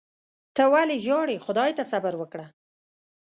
ته ولي ژاړې . خدای ته صبر وکړه